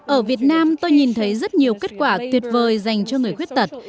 ở việt nam tôi nhìn thấy rất nhiều kết quả tuyệt vời dành cho người khuyết tật